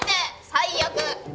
最悪！